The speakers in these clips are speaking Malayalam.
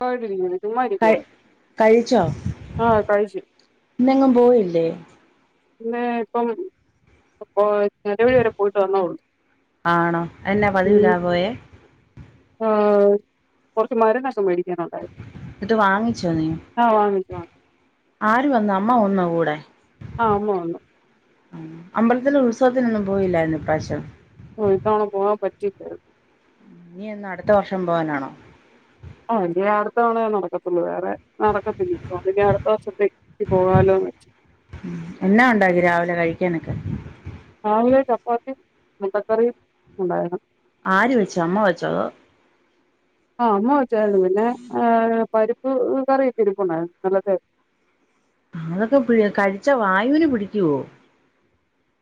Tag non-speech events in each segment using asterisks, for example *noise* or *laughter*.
സുഖായിട്ടിരിക്കുന്നു ചുമ്മാ കഴി ഇരിക്കുവായിരുന്നു കഴിച്ചോ ആഹ് കഴിച്ചു ഇന്നെങ്ങും പോയില്ലേ പിന്നേ ഇപ്പം ഇപ്പോ *unintelligible* വരെ പോയിട്ട് വന്നേള്ളു ആണോ എന്നാ ഉം പതിവില്ലാ പോയേ ആ കൊറച്ച് മര്ന്നൊക്കെ മേടിക് ന്ന്ട്ട് വാങ്ങിച്ചോ നീ? ആഹ് വാങ്ങിച്ചു വാങ്ങിച്ചു ആര് വന്ന് അമ്മ വന്നോ കൂടെ ആ അമ്മ വന്നു മ്മ് അമ്പലത്തിലെ ഉത്സവത്തിനൊന്നും പോയില്ലാന്നോ ഇപ്രാശ്യം? ഓഹ് ഇത്തവണ *unintelligible* ഇനി എന്ന് അട്ത്ത വർഷം പോവാനാണോ? ആ ഇനി അട്ത്തവണയേ നടക്കത്തുള്ളു ആ *unintelligible* നടക്കത്തില്ലല്ലോ അല്ലെങ്കി അടുത്ത വർഷത്തേക്ക് പോകാലോന്നച്ചു കനക്കെ രാവിലെ ചപ്പാത്തീം മുട്ടക്കറിയും ഉണ്ടാരുന്നു ആര് വെച്ചു. അമ്മ വെച്ചോ അതോ ആഹ് അമ്മ വെച്ചു *unintelligible* പിന്നെ *unintelligible* പരിപ്പ് കറിയൊക്കെ ഇരിപ്പുണ്ടായിരുന്നു. ഇന്നലത്തെ അതൊക്കെ പിഴി കഴിച്ചാ വായൂന് പിടിക്കുവോ?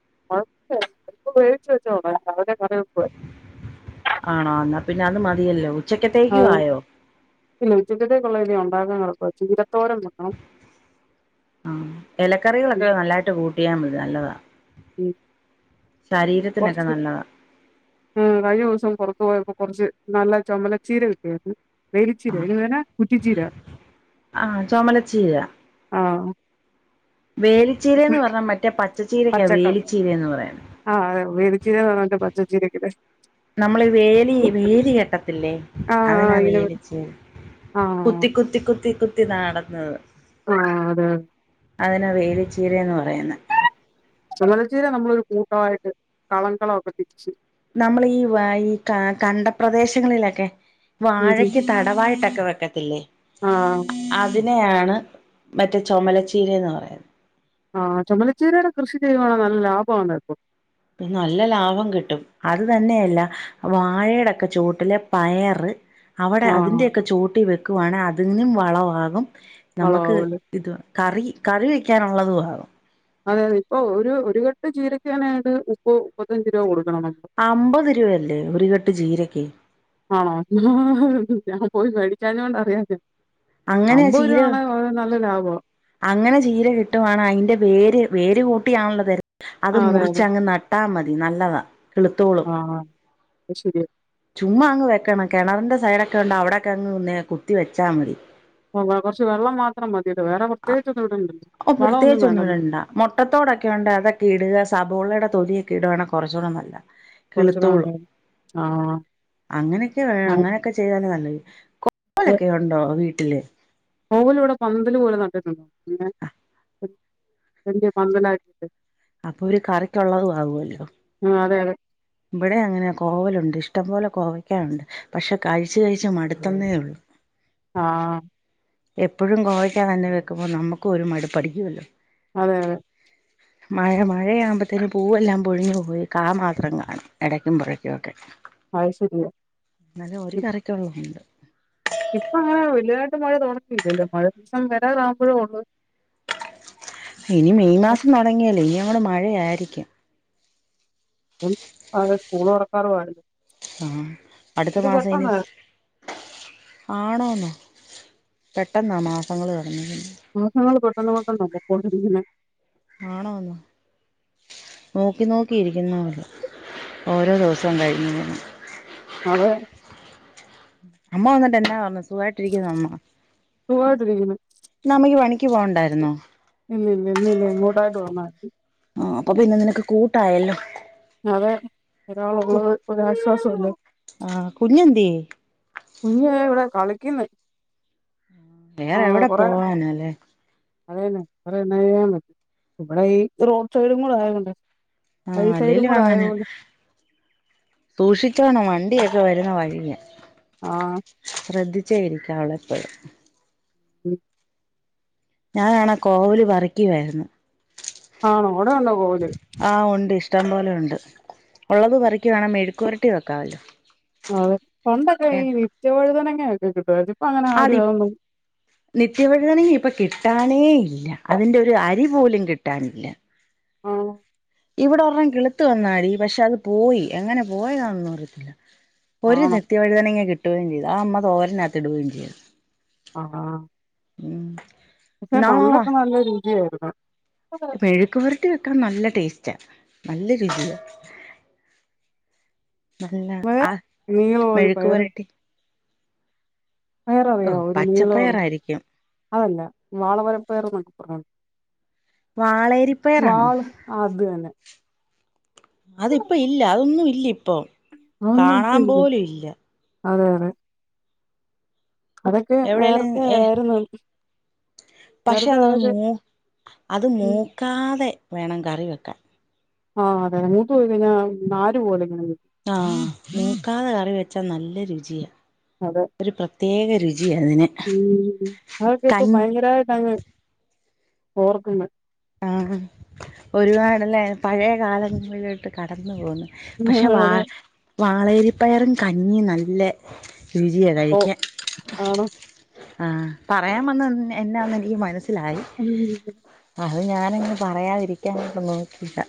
*inaudible* ആണോ എന്നാ പിന്നെ അത് മതിയല്ലോ? ആ ഉച്ചക്കത്തേക്കും ആയോ പിന്നെ ഉച്ചക്കത്തേക്കൊള്ളതല്ലേ ഞാ വിഭവങ്ങളൊക്കെ വെച്ച് ചീരത്തോരൻ വെക്കണം ആഹ് ഉം, എലക്കറികളൊക്കെ നല്ലായിട്ട് കൂട്ടിയാ മൈ നല്ലതാ ഉം ശരീരത്തിനൊക്കെ കൊറച്ച്. നല്ലതാ ഉം കഴിഞ്ഞ ദിവസം പൊറത്ത് പോയപ്പോ കൊറച്ച് നല്ല ചൊമലച്ചീര കിട്ടിയാര്ന്നു വേലിച്ചീരയൊ *unintelligible* കുറ്റിച്ചീര. ആ ആഹ് വേലിച്ചീരേന്ന് പറഞ്ഞ മറ്റേ പ പച്ചക്കള ആഹ് അ വേലിച്ചീര പറഞ്ഞിട്ട് പ ച്ചച്ചീരക്ക് പശ് നമ്മള് വേലീ വേലി കെട്ടത്തില്ലേ? ആ ആ അതിനാ ഇങ്ങനെ വേലിച്ചീര. ആ കുത്തി കുത്തി കുത്തി കുത് ത്തി നട്ന്നത് ആഹ് അതെ അതിനാ വേലിച്ചീരേന്ന് പറയ്ന്നേ ചെമലച്ചീര നമ്മളൊരു കൂട്ടവായിട്ട് കളംകളം ഒക്കെ തിരിച്ച് നമ്മള് ഈ വൈ ക കണ്ട പ്രദേശങ്ങളിലക്കെ ഉം ഉം വാഴക്ക് ഉം. തടവായിട്ടൊക്കെ വെക്കത്തില്ലേ? ആ അത് ന്നെയാണ് മറ്റേ ചൊമലച്ചീരെ എന്ന് പറയ്ണത്. ആഹ് ചൊമലച്ചീരേടെ കൃഷി ചെയ്യുവാണെ നല്ല ലാഭമാണിപ്പോ പി നല്ല ലാഭം കിട്ടും. അത് തന്നെയല്ല വാഴെടെക്കെ ചോട്ടില് പയറ് അവിടെ ആ അതിന്റെയൊക്കെ ചോട്ടി വെക് ക്കുവാണെ അതിനും വളമാകും നമ്മക്ക് വളമാവുമല്ലോ ഇത് കറി, കറി വെയ്ക്കാനുള്ളതും ആവും. അതെ, അതെ ഇപ്പൊ ഒരു ഒരു കെട്ട് ചീരയ്ക്ക് തന്നെയങ്ങട്ട് മുപ്പ മുപ്പത്തഞ്ച് രൂപ കൊടുക്ക അമ്പത് രൂപയല്ലേ ഒരു കെട്ട് ചീരക്ക്. ആണോ ഞാൻ പോയി മേടിക്കാഞ്ഞോണ്ട് അറിയാത്തെ അങ്ങനെ അമ്പത് ചീര രൂപ ആണെ ഒരു നല്ല ലാഭവാ അങ്ങനെ ചീര കിട്ടുവാണെ അയ്ന്റെ വേര് വേര് കൂട്ടിയാണല്ലോ വര് അത് ആ അതെ മുറിച്ച് അതെ അങ്ങ് നട്ടാ മതി തി, നല്ലതാ കിള്ത്തോളും. ആ ആ അത് ശെരിയ ചുമ്മ അങ്ങ് വെക്കണം, കെണറിന്റെ സൈഡ് ഒക്കെ ഉണ്ടെ അവിടെക്കെ അങ്ങ് നെ കുത്തി വെച്ചാ മതി. ആ കൊറച്ച് വെള്ളം മാത്രം മതിയല്ലോ വേറെ *inaudible* ആഹ് പ്രത്യേകിച്ചൊന്നും ഇടണ്ടല്ലോ. ഒ വളവൊന്നും പ്രത്യേകിച്ച് ഒന്നും വേണ്ടല്ലോ വേണ്ട മൊട്ടത്തോടൊക്കെ ഉണ്ടെ അതൊക്കെ ഇടുക സവോളയുടെ തൊടിയൊക്കെ ഇടുവാണേ കൊറച്ചൂടെ നല്ല കൊറച്ചൂടെ നല്ലതാ, ആഹ് അങ്ങനെക്കെ വേ അങ്ങനെക്കെ ചെയ്ത ന്നേ നല്ലത്. കൊ *unintelligible* ഒണ്ടോ വീ ട്ട്ല് കോവല് ഇവിടെ പന്തല് പോലെ നട്ടിട്ടുണ്ട്. പിന്നെ ഏഹ് വലിയ പന്തലായ് അപ്പൊ ഒരു കറിക്കൊള്ളതും ആകുവല്ലോ ആ അതെ അതെ ഇവിടെ അങ്ങന കോവലുണ്ട്. ഇഷ്ടംപോലെ കോവയ്ക്കായുണ്ട്. പക്ഷെ കഴിച്ച് കഴിച്ച് മടുത്തന്നേ ഉള്ളു ആ എപ്പോഴും കോവയ്ക്കാ തന്നെ വെക്കുമ്പോ നമുക്കും ഒരു മടുപ്പടിക്കുവല്ലോ അതെ അതെ മഴ മഴയാകുമ്പത്തേന് പൂവെല്ലാം പൊഴിഞ്ഞു പോയി. കാ മാത്രം കാണും എടയ്ക്കും തുറയ്ക്കുമൊക്കെ അത് ശരിയാ. *inaudible* ന്നാലും ഒരു ഇ കറിക്കൊള്ളതൊണ്ട്. ഇപ്പ അങ്ങനെ വലുതായിട്ട് മഴ തൊടങ്ങിട്ടില്ലല്ലോ, മഴ ദിവസം വരാറാകുമ്പോഴേ ഉള്ള്. ഇനി മെയ് മാസം തൊടങ്ങിയല്ലോ ഇനിയ് ങ്ങട് മഴയാരിക്കും *unintelligible* അതെ സ്കൂള് തൊറക്കാറും ആയി ആഹ് അടുത്ത മാസം ഇനി പെട്ടെന്നാ മാസങ്ങള് *unintelligible* *unintelligible* നോക്കിക്കൊണ്ട് ഇരിക്കുന്നെ ആണോന്നോ നോക്കി നോക്കി ഇരിക്കുന്നപോലാ ഓരോ ദിവസം കഴിയുന്നെ അതെ അമ്മ വന്നിട്ട് എന്നാ പറഞ്ഞ് സുഖായിട്ടിരിക്കുന്നോ അമ്മ. സുഖമായിട്ടിരിക്കുന്നു ഇന്നമ്മക്ക് പണിക്ക് പോണ്ടാ യിര്ന്നോ ഇല്ല ഇല്ല ഇന്നില്ല ഇങ്ങോട്ടായിട്ട് വന്നായിരുന്നു ആ അപ്പം പിന്നെ നിനക്ക് കൂട്ടായല്ലോ അതെ ഒരാളുള്ളത് ഒരാശ്വാസവല്ലേ ന്ത്ര്യേ കുഞ്ഞേ ഇവിടെ കളിക്കുന്ന് വേറെ എവിടെ പോവാനാല്ലേ അതെന്നെ വേറെന്നാ ചെയ്യാൻ പറ്റും ഇവിടെ ഈ റോഡ് സൈഡും കൂടെ ആയോണ്ടേ ആഹ് അല്ലേലും അങ്ങനെ സൂഷി ച്ചോണ് വണ്ടിയൊക്കെ വരുന്ന വഴിയാ ആഹ് ശ്രദ്ധിച്ചേ ഇരിക്കാവൊള്ളെപ്പളും ഉം ഞാനാണാ കോവല് പറിക്കുവായിരുന്നു ആണോ അവിടെ ഉണ്ടോ കോവല് ആഹ് ഉണ്ട് ഇഷ്ടം പോലെ ഉണ്ട്. ഉള്ളത് പെറുക്കി വേണം മെഴുക്കുപൊരട്ടി വെക്കാവല്ലോ അതെ പണ്ടൊക്കെ ഈ നിത്യവഴുതനങ്ങ *unintelligible* ട്ടാലും ആടി നിത്യവയ്തന ഇപ്പ ക്കിട്ട ട്ടാനേ ഇല്ല. അതിന്റെ ഒരു അരി പോലും കിട്ടാനില്ല. ആഹ് ഇവിടെ ഒരെണ്ണം കിളുത്തു വന്നാ ടീ പക്ഷെ അത് പോയി എങ്ങനെ പോയതാണൊന്നും അറിയത്തില്ല. ഇപ്പെര് ആണോ നിത്യ വഴുതനെങ്ങ കി ട്ടുകയും ചെയ്തു. അത് അമ്മ തോരനകത്തിടുകയും ചെയ്തു. അഹാ ഊം പക്ഷെ പണ്ടൊക്കെ നല്ല രുചിയായിരുന്നു ആ മെഴ്ക്ക്വെരട്ടി വെക്കു ക്കാൻ നല്ല ടേസ്റ്റാ. നല്ല രുചിയാ. നല്ല ആ നീളം ഒരു മെഴുക്ക് പുരട്ടി ഓ അറിയവോ ഒരു നീളോ പച്ചപ്പയറായിരിക്കും അതല്ല വാളവര പയറെന്നൊക്കെ പറഞ്ഞോണ്ട് വാളേരിപ്പയറാണോ വാള് അത് തന്നെ അതിപ്പോ ഇല്ല അതൊന്നും ഇല്ല ഇപ്പൊ. അതൊന്നും ഇപ്പ കാണാം പോലും ഇല്ല. അതെ അതെ അതൊക്കെ എവിടെലും നേരത്തെ ഏ ആരുന്നു പക്ഷെ അതാണ് മൂ അത് ഉം മൂക്കാതെ വേണം കറി വെക്കാൻ. ആഹ് അതെ മൂത്ത് പോയി കഴിഞ്ഞാ നാര് പോലിങ്ങനെ നിക് ആഹ് മൂക്കാതെ കറി വെച്ചാ നല്ല രുചിയാ. അതെ ഒരു പ്രത്യേക രുചിയാ അതിന് ഉം അതൊക്കെ ഇപ്പൊ കൺ ഭയങ്കരായിട്ട് അങ്ങ് ഓർക്ക്ന്ന്. ആഹ് ഒരുപാട് ല്ലേ പഴയ കാലങ്ങളിലോട്ട് കടന്നു പോന്ന്. പക്ഷേ വാ അതെ വാളയരിപ്പയറും കഞ്ഞിയും നല്ലെ രുചിയാ ഓ കഴിക്കാൻ. ആണോ ആഹ് പറയാം വന്ന എന്നാന് എനിക്ക് മനസി *unintelligible* അത് ഞാനങ്ങ് പറയാതിരിക്കാനായിട്ട് നോക്കിതാ.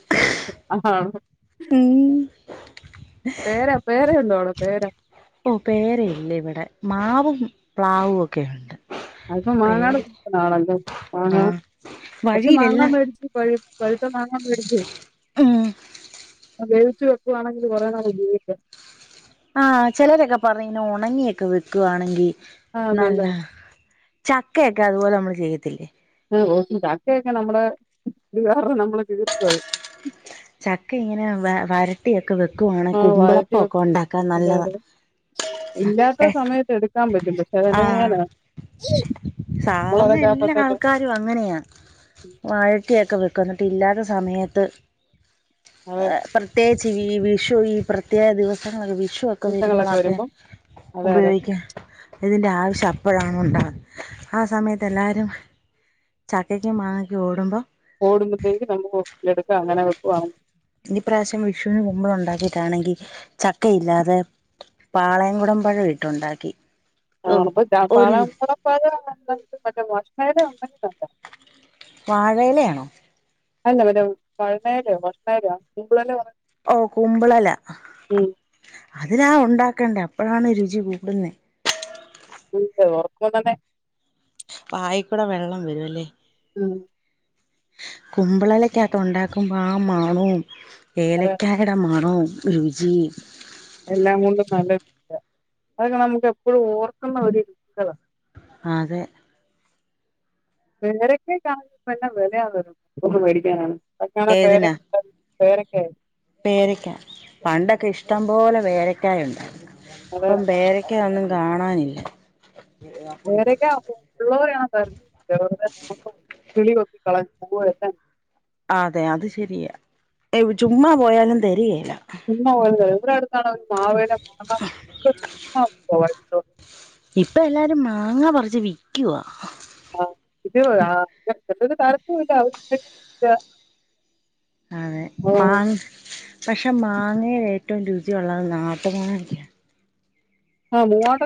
ആണോ? പേര പേര ഉണ്ടോ അവിടെ? പേര ഓ പേരയില്ല ഇവിടെ. മാവും പ്ലാവുവൊക്കെ ഉണ്ട്. അതിപ്പ പേര മാങ്ങാടെ സീസൺ ആണല്ലോ. മാങ്ങ ആഹ് കൊറച്ച് മാങ്ങാ വഴിയിലെല്ലാം മേടിച്ച് പഴു പഴുത്ത മാങ്ങ മേടിച്ച് ഉം വേവിച്ച് വെക്കുവാണെങ്കിൽ കൊറേ നാൾ ഉപയോഗിക്കാം. ആ ചെലരൊക്കെ പറഞ്ഞ് ഇങ്ങനെ ഒണങ്ങിയൊക്കെ വെക്കുവാണെങ്കി ആഹ് നല്ല നല്ലയാ. ചക്കയൊക്കെ അതുപോലെ നമ്മൾ ചെയ്യത്തില്ലേ? ഓ ചക്കയൊക്കെ നമ്മള് *unintelligible* നമ്മള് തീർക്കുവത്. ചക്ക ഇങ്ങനെ വ വരട്ടിയൊക്കെ വെ ക്കുവാണെ ആഹ് വഴറ്റി കുമ്പളപ്പം ഒക്കെ വെക്കും ഒണ്ടാക്കാൻ അതെ നല്ലതാ അതെ ഇല്ലാത്ത ഏഹ് സമയത്ത് എടുക്കാൻ പറ്റും പക്ഷെ ആഹ് എന്തൊയെന്ന സാധാരണ എല്ലാ ആൾക്കാരും *unintelligible* ക്കു ന്നിട്ടില്ലാത്ത സമയത്ത് അതെ പ്രത്യേകി ച്ച് വീ വിഷു ഈ പ്രത്യേക ദിവസങ്ങളൊക്കെ വി ഷുവക്ക നിമിഷങ്ങളൊക്കെ വരുമ്പളാക്കെ വരുമ്പം അതെ അതെ ഉപയോഗിക്കാം ഇതിന്റെ ആവിശ്യം അ അപ്പൊഴാണ് ഒണ്ടാ ആ സമയത്ത് എല്ലാരും ചക്കയ്ക്കും മാങ്ങക്കും ഓടുമ്പം ഓടുമ്പോഴത്തേക്ക് നമുക്ക് എടുക്കാം അങ്ങന വെക്കുവാണെ ഇന്നി പ്രാവ്ശ്യം വിഷുവിന് കുമ്പിൾ ഒണ്ടാക്കിട്ടാണെങ്കി ചക്കയില്ലാതെ പാളയംകുടംമ്പഴം ഇട്ടൊണ്ടാക്കി ആണപ്പൊ പാളയ *unintelligible* *inaudible* വാഴയിലയാണോ അല്ല മറ്റേ *unintelligible* ഓ കുമ്പിളെല ഉം അതിലാ ഒണ്ടാക്കെണ്ടെ അ പ്പഴാണ് രുചി കൂടുന്നെ *unintelligible* വായിക്കുട വെള്ളം വരുവല്ലെ ഉം കുമ്പളെലേക്കത്തൊണ്ടാക്കുമ്പ ആ മണോം അതെ ഏലയ്ക്കായ്ട മണോം രുചീം എല്ലാം കൊണ്ടും നല്ല *inaudible* അതൊക്ക നമുക്ക് എപ്പൊഴും ഓർക്കുന്ന ഒര് *inaudible* അതെ *inaudible* ഇപ്പെന്നാ വെലയാന്നറിയോ പെറത്ത്ന്ന് ഏതിനാ വേടിക്കാനാന്നെ *unintelligible* പേരക്കെ പേരക്ക പണ്ടൊക്കെ ഇഷ്ടം പോല പേരക്കായ ഒണ്ടാര്ന്ന് പ്പം പേരയ് ക്കെ ഒന്നും കാണാനില്ല പേരയ്ക്ക *inaudible* കിളി കൊത്തികളഞ്ഞ് പൂവും എല്ലാം *unintelligible* അതെ അത് ശെരിയാ ഏവ് ചുമ്മാ പോയാലും തെര്കേലാ പിന്ന ഒള്ളത് ഇവട അടുത്താണ്ടാ ഒര് മാവേല *unintelligible* ഇപ്പ എല്ലാരും മാങ്ങ പറിച്ച് വിക്കുവാ ആഹ് ഇത് ആ *unintelligible* തണുപ്പുല്ല *unintelligible* അതെ മാങ്ങ് പക്ഷെ മാങ്ങ ഏറ്റവും രുചിയുള്ളള്ളത് നാട്ട് മാങ്ങയ ആഹ് മൂവാണ്ട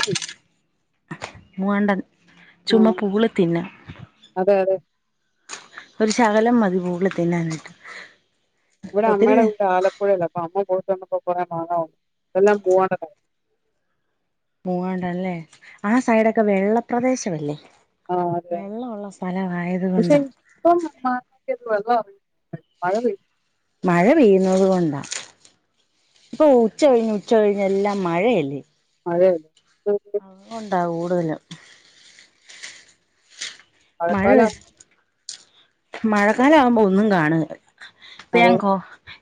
മൂവാണ്ടൻ ആ ചുമ പൂള് തിന്ന അതെ ഒരു ശകലം മതി പൂള് തിന്നാൻ ഒരെമ്മയുടെ വീട് ആലപ്പുഴല്ല അപ്പൊ അമ്മ പോയിട്ടു വന്നപ്പം *unintelligible* മാണോ ഇതെല്ലാം *unintelligible* മൂവാണ്ടനല്ലേ ആ സൈഡൊക്കെ വെള്ളപ്രദേശമല്ലേ? ആ അതെ വെള്ളമുള്ള സ്ഥലമായത് പക്ഷെ കൊണ്ടാ ഇപ്പം മാ *unintelligible* മഴ പെയ് മഴ പെയ്യുന്നതുകൊണ്ടാ ഇപ്പൊ ഉച്ച കഴിഞ്ഞ് ഉച്ച കഴിഞ്ഞ് എല്ലാം മഴയല്ലേ അതെ അ ഉണ്ടാവൂ.. *unintelligible* മഴ മഴക്കാലം മഴക്കാല ആവുമ്പോ ഒന്നും കാണുകില്ല. അതെ പാങ്കോ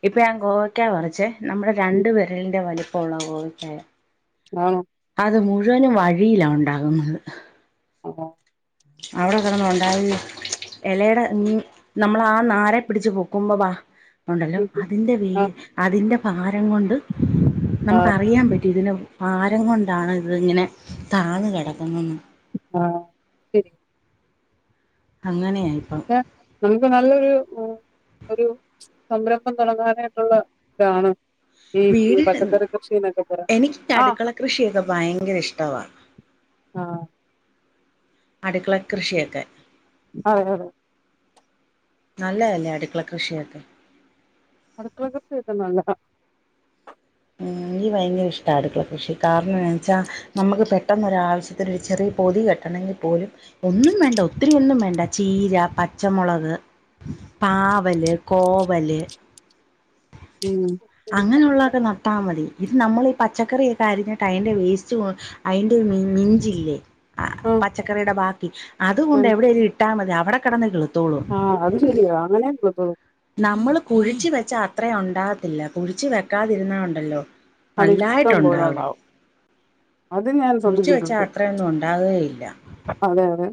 ഇപ്പം ഞാൻ ഗോവയ്ക്കാ പറിച്ചേ നമ്മുടെ ഉം, രണ്ട് വിരലിന്റെ വലി *unintelligible* ആഹ് അത് മുഴുവനും വഴിയിലാ ഉണ്ടാകുന്നത്. *unintelligible* അവിടെ കെടന്നുണ്ടാകുന്ന ഇലയുടെ ഉം നമ്മള ആ നാരെ പിടിച്ചു പൊക്കുമ്പോ ബാ ഉണ്ടല്ലോ ഉം, ഉം, അതിന്റെ വേ ആ അതിന്റെ പാരം കൊണ്ട് ആ നമുക്ക് അറിയാൻ പറ്റി ഇതിന് ഭാരം കൊണ്ടാണ് ഇത് ഇങ്ങനെ താന്ന് കിടക്കുന്നന്ന് ആഹ് ശരി. അങ്ങനെയ *unintelligible* നമുക്ക് നല്ലൊരു ഉ ഒരു സംരംഭം തുടങ്ങാനായിട്ടുള്ള ഇതാണ്. ഈ വീട് ഹിം പച്ചക്കറി കൃഷി എന്നൊക്കെ പറയുന്നത് എനിക്ക്‌ ആഹ് കടുക്കള കൃഷിയൊക്കെ ഭയങ്കര ഇഷ്ടവാ ആഹ് അടുക്കള കൃഷിയൊക്കെ. അതെ അതെ നല്ലതല്ലേ അടുക്കള കൃഷിയൊക്കെ അടുക്കള കൃഷി ഒക്കെ നല്ലതാ എനിക്ക് ഭയങ്കര ഇഷ്ടാ അടുക്കള കൃഷി കാരണം എന്താന്ന് വെച്ചാ നമുക്ക് പെട്ടെന്നൊരാവശ്യത്തിന് ചെറിയ പൊതി കെട്ടണങ്കിൽ പോലും ഒന്നും വേണ്ട ഒത്തിരിയൊന്നും വേണ്ട ചീര പച്ചമുളക് പാവല് കോവല് ഉം അങ്ങനെയുള്ളതൊക്കെ നട്ടാ മതി ഇത് നമ്മൾ ഈ പച്ചക്കറിയൊക്കെ അരിഞ്ഞിട്ട് അയിന്റെ വേസ്റ്റ് കൊ അയിന്റെ മി മിഞ്ചില്ലേ ആ ആഹ് പച്ചക്കറിയുടെ ബാക്കി അതുകൊണ്ട് എവിടേലും ഇട്ടാ മതി അവിടെ കടന്നഴുകും ആ അത് ശരിയാ അങ്ങനേം *unintelligible* നമ്മള് കുഴിച്ച് വെച്ച അത്രയും ഒണ്ടാകത്തില്ല കുഴിച്ചു വെക്കാതിരുന്നഒണ്ടല്ലോ അത് ഇഷ്ട്ടം പോലെ ഉണ്ടാവും അത് ഞാൻ കുഴിച്ച് വെച്ചാ ശ്രദ്ധിച്ചിട്ടുണ്ട് അത്രയൊന്നും അതെ അതെ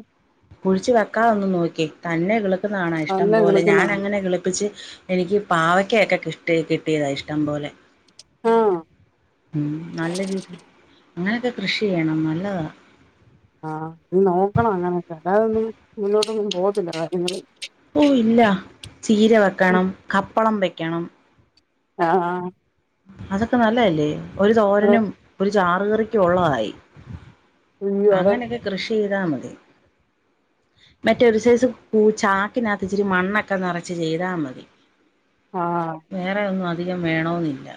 കുഴിച്ചു വെക്കാതൊന് നോക്യെ തന്നെ കിളിക്കന കാണാം ഇഷ്ടം നല്ല പോലെ ഞാൻ കിളുക്കുന്നതാണ് അങ്ങനെ കിളിപ്പിച്ച് എനിക്ക് പാവക്ക ഒകെ കി ട്ടി കിട്ടിയതാ ഇഷ്ടം പോലെ ആഹ് ഉം നല്ല രീതി അങ്ങനക്കെ കൃഷി ചെയ്യണം നല്ലതാ ആഹ് ഇനി നോക്കണം അങ്ങനെക്കെ അല്ലാതൊന്നും മുന്നോട്ടൊന്നും പോത്തില്ല കാര്യങ്ങള് ഓ ഇല്ല ചീര വെക്കണം കപ്പളം വെ ക്കണം ആഹ അതൊക്കെ നല്ലല്ലേ ഒരു അതെ തോരനും ഒരു ചാറുകറിക്ക് ഉള്ളതായി അയ്യോ അതെ അങ്ങനെയൊക്കെ കൃഷി ചെയ്താ മതി മറ്റൊരു സൈസ് കൂ ചാക്കിനത്ത് ഇച്ചിരി മണ്ണൊക്കെ നിറച്ച് ചെയ്താ മതി ആഹ് വേറെ ഒന്നും അധികം വേണോന്നില്ല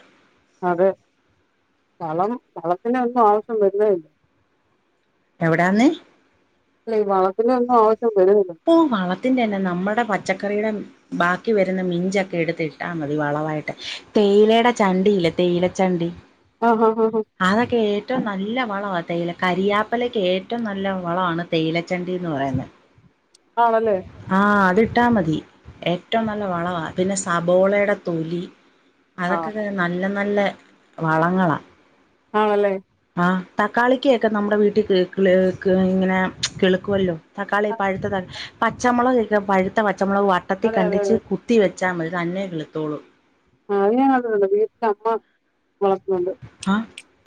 അതെ വളം വളത്തിൻ്റെ ഒന്നും ആവശ്യം വരുന്നെഇല്ല എവിടാന്ന്? ലേ വളത്തിന്റെ ഒന്നും ആവ ഈ വളത്തിന്റെയല്ല നമ്മുടെ പച്ചക്കറിയുടെ ബാക്കി വരുന്ന മിഞ്ചൊക്കെ എടുത്ത് ഇട്ടാ മതി വളവായിട്ട്. തേയിലയുടെ ചണ്ടി ഇല്ലേ? തേയിലച്ചണ്ടി. ആഹ് ആഹ് ആഹ് അതൊക്കെ ഏറ്റവും നല്ല വളവാ. തേയില കരിയാപ്പലക്ക് ഏറ്റവും നല്ല വളമാണ് തേയിലച്ചണ്ടീന്ന് പറയുന്നെ. ആണല്ലേ ആഹ് അത് ട്ടാ മതി. ഏറ്റവും നല്ല വളവാ. പിന്നെ സബോളയുടെ തൊലി. ആഹ് അതൊക്കെകെ നല്ലം നല്ല വളങ്ങളാ. ആണല്ലേ. ആ തക്കാളിക്കയൊക്കെ നമ്മടെ വീട്ടി കിള് ഇങ്ങനെ കിള്ക്കുവല്ലോ. തക്കാളി പഴ്ത്തതാണ്. പച്ചമൊളകൊക്കെ പഴുത്ത പ ച്ച മൊളക് വട്ടത്തി അതെ അതെ കണ്ടിച്ച് കുത്തി വെ വച്ചാ മതി. തന്നെ കിളുത്തോളും. ആ അത് ഞാൻ കണ്ടിട്ടുണ്ട്. വീട്ടിലമ്മ വളർത്തുന്നുണ്ട്. ആ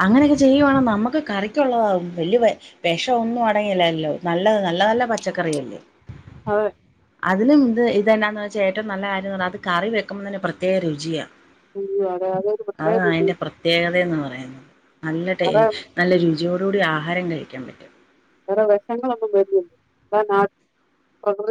അങ്ങനെയൊക്കെ ചെയ്യുവാണേ നമ്മക്ക് കറിക്കുള്ളതാവും. വല്യ വെഷം ഒന്നും അടങ്ങില്ലല്ലോ. നല്ലത് നല്ല നല്ല പച്ചക്കറിയല്ലേ. അതെ അതിനും ത് ഇതെന്നാന്ന് വെച്ചാ ഏറ്റവും നല്ല കാര്യംന്ന് പറഞ്ഞാ അത് കറി വെക്കുമ്പോ തന്നെ പ്രത്യേക രുചിയാ അയ്യോ, അതെ അതൊരു പ്രത്യേക അതാ രുചി അതിന്റെ പ്രത്യേകതയെന്ന് പറയും നല്ല ടേ വേറെ നല്ല രു ചിയോടുകൂടി ആഹാരം കഴിക്കാൻ പറ്റും വെഷങ്ങളൊന്നും *unintelligible* പ്രക്യതി